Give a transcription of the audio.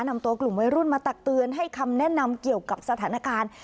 นำตัวกลุ่มวัยรุ่นมาตักเตือนให้คำแนะนำเกี่ยวกับสถานการณ์